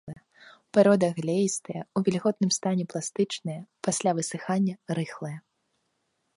Парода глеістая, у вільготным стане пластычная, пасля высыхання рыхлая.